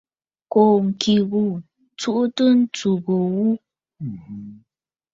Kó ŋkì ghû ǹtsuʼutə ntsù gho gho.